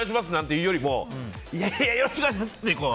言うよりもいやいや、よろしくお願いします